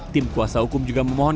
tim kuasa hukum juga memohon